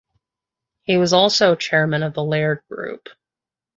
He was also Chairman of the Laird Group.